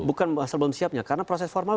bukan asal belum siapnya karena proses formal